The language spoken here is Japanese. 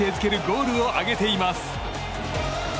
ゴールを挙げています。